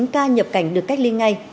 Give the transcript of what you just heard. một mươi chín ca nhập cảnh được cách ly ngay